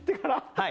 はい。